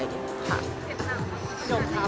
เห็นตาของหยกครับ